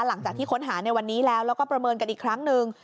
หลังจากที่ค้นหาในวันนี้แล้วแล้วก็ประเมินกันอีกครั้งหนึ่ง